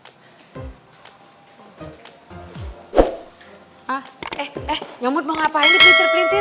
eh eh eh nyomud mau ngapain nih pelintir pelintir